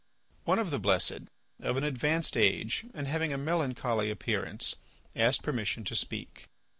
One of the blessed, of an advanced age and having a melancholy appearance, asked permission to speak.